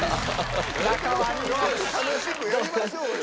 楽しくやりましょうよ！